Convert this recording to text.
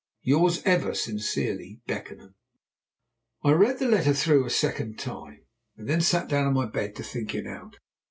"Yours ever sincerely, "BECKENHAM." I read the letter through a second time, and then sat down on my bed to think it out.